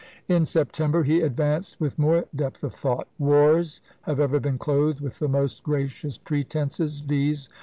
In September, he advanced with more depth of thought. "Wars have ever been clothed with the most gracious pretences viz.